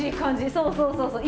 そうそうそうそう